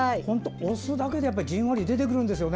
押すだけでじんわり出てくるんですよね。